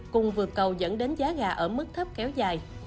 cùng vượt cầu dẫn đến giá gà ở mức thấp kéo dài